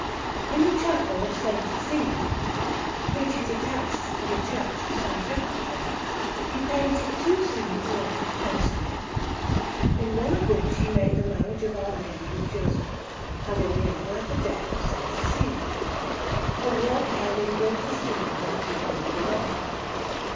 In the Chapel of S. Cecilia, which is attached to the Church of S. Jacopo, he painted two scenes wrought in fresco, in one of which he made the Marriage of Our Lady with Joseph, and in the other the Death of S. Cecilia a work held in great esteem by the people of Bologna.